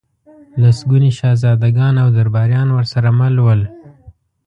لسګوني شهزادګان او درباریان ورسره مل ول.